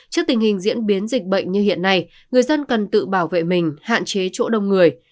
trước tình hình diễn biến dịch bệnh như hiện nay người dân cần tự bảo vệ mình hạn chế chỗ đông người